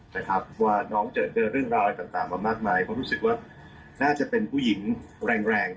แล้วก็สนุกชนะน่ารักมากแล้วก็มีความตรงไปตรงมา